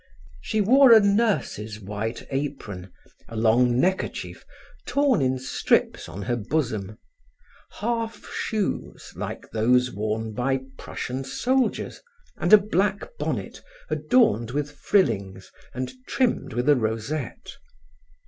She wore a nurse's white apron, a long neckerchief, torn in strips on her bosom; half shoes like those worn by Prussian soldiers and a black bonnet adorned with frillings and trimmed with a rosette.